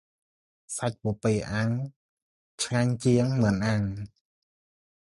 សាច់ពពែអាំង ឆ្ងាញ់ជាង មាន់អាំង។